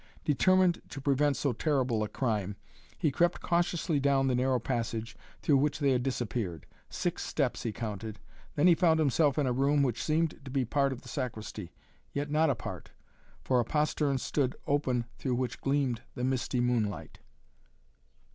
Determined to prevent so terrible a crime, he crept cautiously down the narrow passage through which they had disappeared. Six steps he counted, then he found himself in a room which seemed to be part of the sacristy, yet not a part, for a postern stood open through which gleamed the misty moonlight.